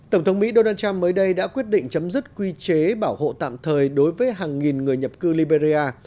tổng thống mỹ donald trump mới đây đã quyết định chấm dứt quy chế bảo hộ tạm thời đối với hàng nghìn người nhập cư liberia